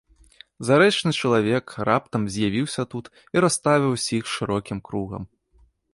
Зарэчны чалавек раптам з'явіўся тут і расставіў усіх шырокім кругам.